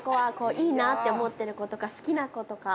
いいなと思っている子とか、好きな子とか。